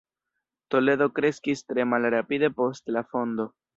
Toledo kreskis tre malrapide post la fondo.